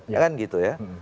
ya kan gitu ya